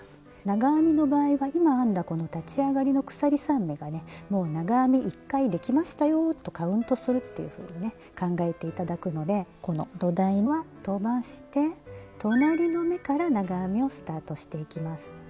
長編みの場合は今編んだこの立ち上がりの鎖３目がね「もう長編み１回できましたよ」とカウントするっていうふうにね考えて頂くのでこの土台は飛ばして「隣の目」から長編みをスタートしていきます。